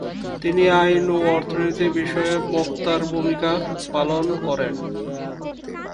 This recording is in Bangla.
তিনি আইন ও অর্থনীতি বিষয়ে বক্তার ভূমিকাও পালন করেন।